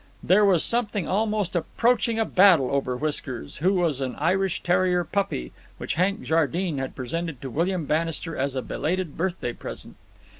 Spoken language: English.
There was something almost approaching a battle over Whiskers, who was an Irish terrier puppy which Hank Jardine had presented to William Bannister as a belated birthday present.